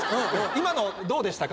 今のどうでしたか？